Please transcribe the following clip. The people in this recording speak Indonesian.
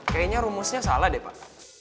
kayaknya rumusnya salah deh pak